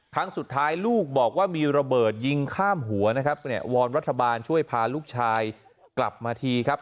ครั้งสุดท้ายลูกบอกว่ามีระเบิดยิงข้ามหัวนะครับเนี่ยวอนรัฐบาลช่วยพาลูกชายกลับมาทีครับ